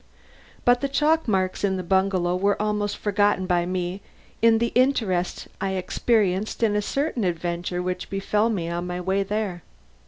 But the chalk marks in the bungalow were almost forgotten by me in the interest I experienced in a certain adventure which befell me on my way there.